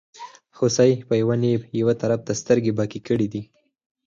هوسۍ په یوه نېب یوه طرف ته سترګې بکې کړې دي.